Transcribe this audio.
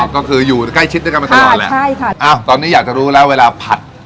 ก็คืออยู่ใกล้ชิดด้วยกันมาตลอดแหละใช่ค่ะอ้าวตอนนี้อยากจะรู้แล้วเวลาผัด